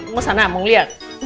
mau sana mau ngeliat